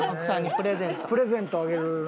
プレゼントあげるんで。